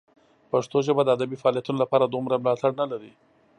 پښتو ژبه د ادبي فعالیتونو لپاره دومره ملاتړ نه لري.